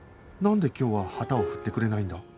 なんで今日は旗を振ってくれないんだ？